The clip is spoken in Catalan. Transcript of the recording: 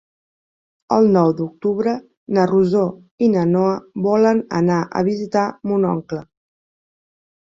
El nou d'octubre na Rosó i na Noa volen anar a visitar mon oncle.